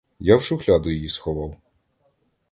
Я в шухляду її сховав.